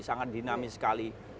sangat dinamis sekali